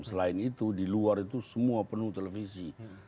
selain itu di luar itu semua penuh televisi